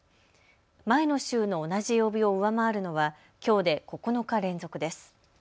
前の週の同じ曜日を上回るのはきょうで９日連続です。